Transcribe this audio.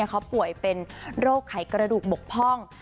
เขาป่วยเป็นโรคไขกระดูกบกพ่อง